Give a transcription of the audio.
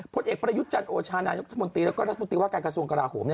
ผลเอกประยุทธ์จันโอชานายกรัฐมนตรีแล้วก็รัฐมนตรีว่าการกระทรวงกราโหม